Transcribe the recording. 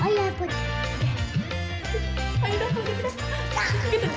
mulai bakal indah